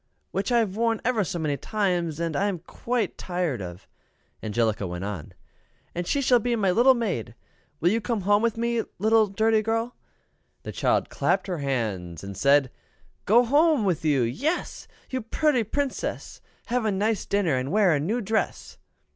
" Which I have worn ever so many times, and am quite tired of," Angelica went on; "and she shall be my little maid. Will you come home with me, little dirty girl?" The child clapped her hands and said, "Go home with you yes! You pooty Princess! Have a nice dinner, and wear a new dress!"